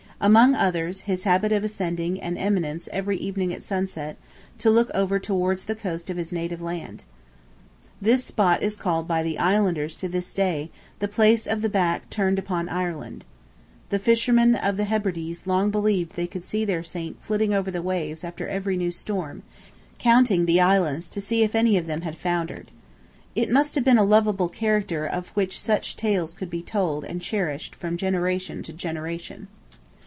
Among others, his habit of ascending an eminence every evening at sunset, to look over towards the coast of his native land. The spot is called by the islanders to this day, "the place of the back turned upon Ireland." The fishermen of the Hebrides long believed they could see their saint flitting over the waves after every new storm, counting the islands to see if any of them had foundered. It must have been a loveable character of which such tales could be told and cherished from generation to generation.